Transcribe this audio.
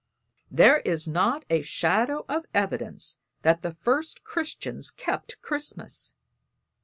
"There is not a shadow of evidence that the first Christians kept Christmas.